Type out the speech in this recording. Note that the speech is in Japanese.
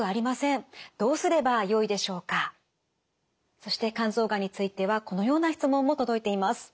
そして肝臓がんについてはこのような質問も届いています。